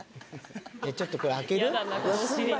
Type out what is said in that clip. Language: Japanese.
ちょっとこれ開ける？